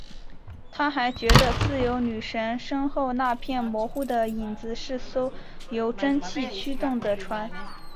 他还觉得自由女神身后那片模糊的影子是艘由蒸汽驱动的船。